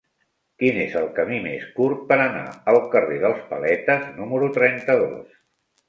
Quin és el camí més curt per anar al carrer dels Paletes número trenta-dos?